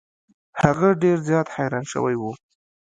هغه ډیر زیات حیران شوی و.